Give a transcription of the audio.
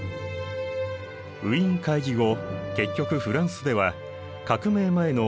ウィーン会議後結局フランスでは革命前のブルボン王家が復活。